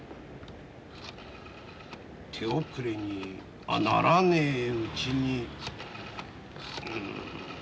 手遅れにあっならねえうちに。